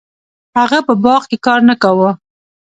هغه په باغ کې کار نه کاوه.